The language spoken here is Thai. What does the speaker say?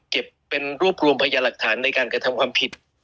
เก็บเป็นรวบรวมพยาหลักฐานในการกระทำความผิด